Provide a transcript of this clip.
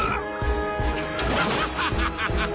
ハハハハ！